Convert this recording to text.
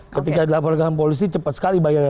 ketika dilaporkan polisi cepat sekali bayarnya